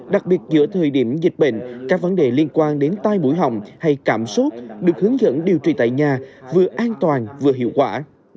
đặc biệt giữa thời điểm dịch bệnh các vấn đề liên quan đến tai mũi họng hay cảm xúc được hướng dẫn điều trị tại nhà vừa an toàn vừa hiệu quả